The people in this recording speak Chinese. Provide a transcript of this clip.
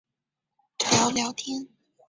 有空会去聊聊天